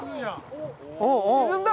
沈んだ！